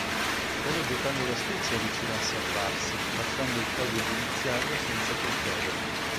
Solo giocando d'astuzia, riuscirà a salvarsi, lasciando il caso giudiziario senza colpevoli.